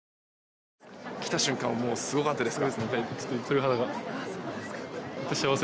来た瞬間はすごかったですか？